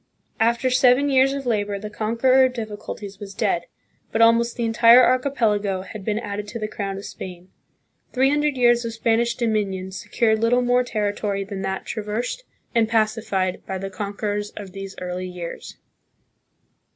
After seven years of labor the conqueror of difficulties was dead, but almost the entire archipelago had been added to the crown of Spain. Three hundred years of Spanish dominion se cured little more territory than that traversed and pacified 1 Conquista de la Isla de Luzon, p. 24. 138 THE PHILIPPINES. by the conquerors of these early years.